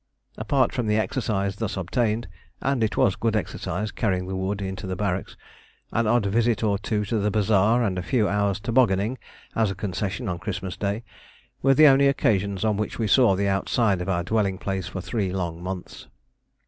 Apart from the exercise thus obtained and it was good exercise carrying the wood into the barracks an odd visit or two to the bazaar, and a few hours' tobogganing as a concession on Christmas Day, were the only occasions on which we saw the outside of our dwelling place for three long months.